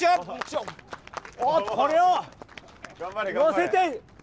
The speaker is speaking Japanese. おおこれをのせて。